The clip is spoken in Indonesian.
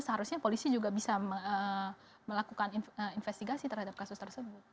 seharusnya polisi juga bisa melakukan investigasi terhadap kasus tersebut